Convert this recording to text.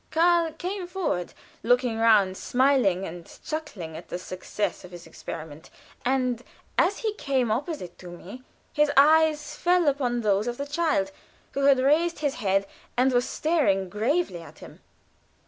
Karl came forward, looking round, smiling and chuckling at the success of his experiment, and as he came opposite to me his eyes fell upon those of the child, who had raised his head and was staring gravely at him.